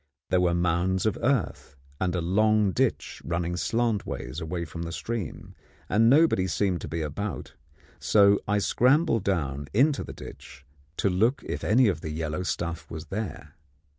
There were mounds of earth, and a long ditch running slantwise away from the stream, and nobody seemed to be about; so I scrambled down into the ditch to look if any of the yellow stuff was there.